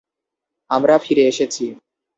আমরা ফিরে এসেছি।